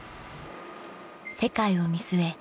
世界を見据え